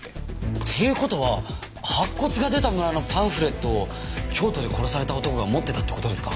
っていう事は白骨が出た村のパンフレットを京都で殺された男が持ってたって事ですか？